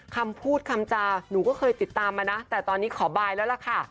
คำพูดคำจาหนูก็เคยติดตามมานะแต่ตอนนี้ขอบายแล้วล่ะค่ะ